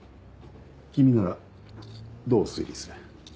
君ならどう推理する？